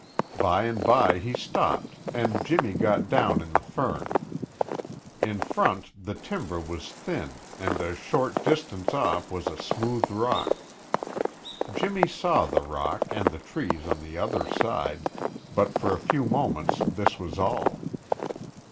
By and by he stopped and Jimmy got down in the fern. In front, the timber was thin and a short distance off was a smooth rock. Jimmy saw the rock and the trees on the other side, but for a few moments this was all.